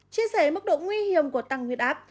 chia sẻ mức độ nguy hiểm của tăng huyết áp